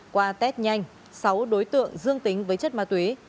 qua test nhanh sáu đối tượng dương tính với chất ma túy